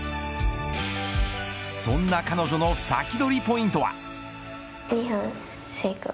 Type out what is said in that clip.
そんな彼女の先取りポイントは。